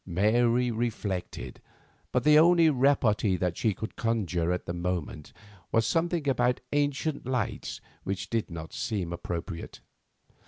Mary reflected, but the only repartee that she could conjure at the moment was something about ancient lights which did not seem appropriate.